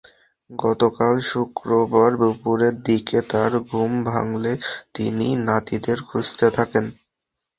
গতকাল শুক্রবার দুপুরের দিকে তাঁর ঘুম ভাঙলে তিনি নাতিদের খুঁজতে থাকেন।